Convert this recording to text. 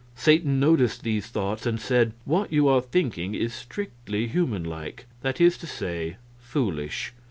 Satan noticed these thoughts, and said: "What you are thinking is strictly human like that is to say, foolish.